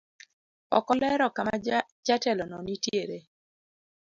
Ok olero kama jatelono nitiere.